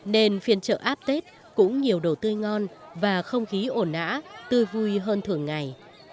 nên phiên chợ áp tết cũng nhiều đồ tươi ngon và không khí ổn nã tươi vui hơn thường ngày